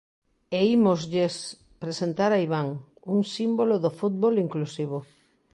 E ímoslles presentar a Iván, un símbolo do fútbol inclusivo.